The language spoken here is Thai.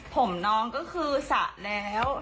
ผมน้องก็คือสระแล้ว